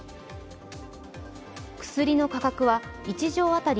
薬の価格は１錠当たり